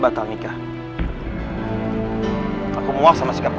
aku mau keluar sama si kapu